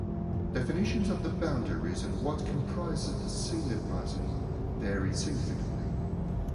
Definitions of the boundaries and what comprises the Sydney basin vary significantly.